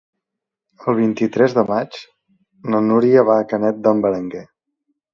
El vint-i-tres de maig na Núria va a Canet d'en Berenguer.